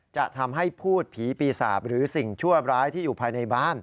จะทำให้พูดผีปีศาจหรือสิ่งชั่วร้ายที่อยู่ภายในบ้าน